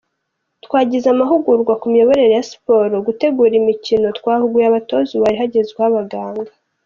Twagize amahugurwa ku miyoborere ya siporo, gutegura imikino, twahuguye abatoza ubu hari hagezweho abaganga.